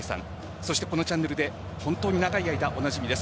そして、このチャンネルで本当に長い間おなじみです。